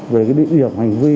về địa điểm hành vi